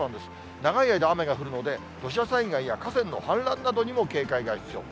長い間、雨が降るので、土砂災害や河川の氾濫などにも警戒が必要。